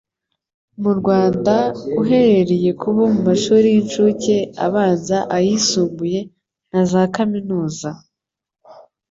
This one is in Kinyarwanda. mu Rwanda, uhereye ku bo mu mashuri y'incuke, abanza, ayisumbuye na za kaminuza.